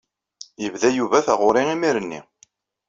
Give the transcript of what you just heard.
Yebda Yuba taɣuṛi imir-nni.